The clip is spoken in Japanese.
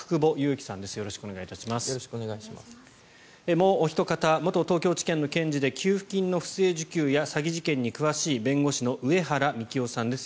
もうおひと方元東京地検の検事で給付金の不正受給や詐欺事件に詳しい弁護士の上原幹男さんです。